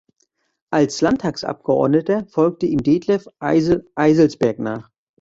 Als Landtagsabgeordneter folgte ihm Detlev Eisel-Eiselsberg nach.